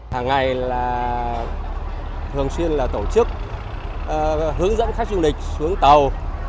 hàng ngày là thường xuyên là tổ chức hướng dẫn khách du lịch xuống tàu